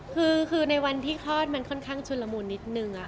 คือคือในวันที่คลอดมันในวันที่คลอดมันค่อนข้างชุดละมุนนิดนึง